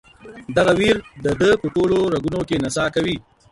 دغه ویر د ده په ټولو رګونو کې نڅا کوي.